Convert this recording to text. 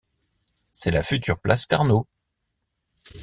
C'est la future place Carnot.